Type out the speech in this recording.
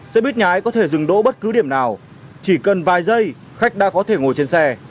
xe buýt nhái có thể dừng đỗ bất cứ điểm nào chỉ cần vài giây khách đã có thể ngồi trên xe